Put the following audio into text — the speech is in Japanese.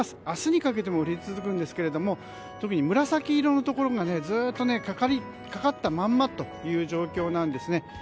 明日にかけても降り続くんですけど特に紫色のところがずっとかかったままという状況なんですね。